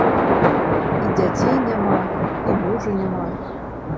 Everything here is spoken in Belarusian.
І дзяцей няма, і мужа няма.